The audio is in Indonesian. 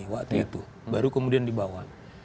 waktu itu baru kemudian dibawa